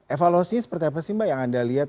evaluasi seperti apa sih mbak yang anda lihat